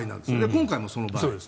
今回もその場合。